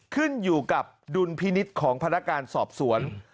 ขึ้นอยู่กับดุลพินิษฐ์ของพนักการสอบสวน